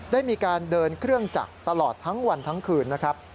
ได้มีการเดินเครื่องจักรตลอดทั้งวันทั้งคืนนะครับ